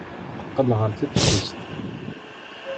Teqqel ɣer teftist.